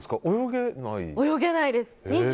泳げないです。